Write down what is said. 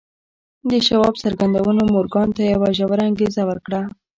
د شواب څرګندونو مورګان ته یوه ژوره انګېزه ورکړه